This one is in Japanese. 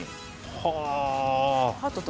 はあ。